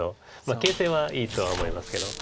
形勢はいいとは思いますけど。